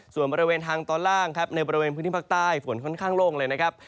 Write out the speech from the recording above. ส่วนบริเวณทางตอนล่างครับในบริเวณพื้นที่ภาคใต้ฝนค่อนข้างโล่งเลยนะครับ